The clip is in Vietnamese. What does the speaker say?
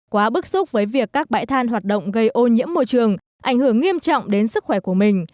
quá bức xúc với việc các bãi than hoạt động gây ô nhiễm môi trường ảnh hưởng nghiêm trọng đến sức khỏe của mình